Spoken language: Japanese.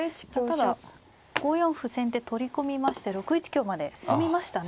ただ５四歩先手取り込みまして６一香まで進みましたね。